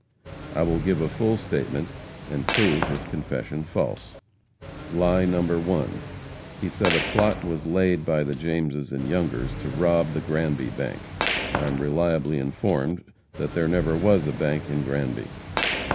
I will give a full statement and prove his confession false. Lie No. 1. He said a plot was laid by the Jameses and Youngers to rob the Granby bank. I am reliably informed that there never was a bank in Granby.